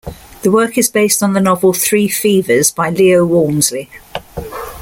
The work is based on the novel "Three Fevers" by Leo Walmsley.